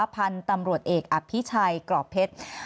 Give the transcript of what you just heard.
พันธุ์ตำรวจเอกอภิชัยกรอบเพชร